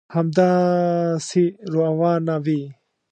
همداسي روانه وي.